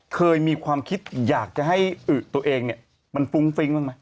เคยมีความคิดอยากจะให้อึ๋ตัวเองมันฟุ้งฟิ้งไหม